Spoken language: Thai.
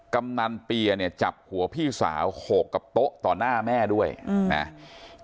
กำนันเปียเนี่ยจับหัวพี่สาวโขกกับโต๊ะต่อหน้าแม่ด้วยนะ